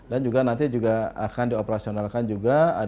dan juga nanti akan dioperasionalkan juga